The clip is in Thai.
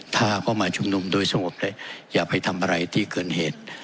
พาเข้ามาชุมนุมโดยสงบได้อย่าไปทำอะไรที่เกินเหตุ